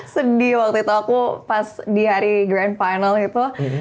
sedih waktu itu aku pas di hari grand final itu